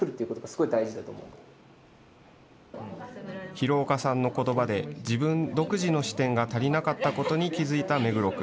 廣岡さんのことばで自分独自の視点が足りなかったことに気付いた目黒君。